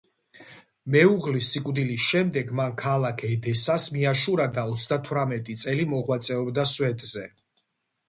მეუღლის სიკვდილის შემდეგ მან ქალაქ ედესას მიაშურა და ოცდათვრამეტი წელი მოღვაწეობდა სვეტზე.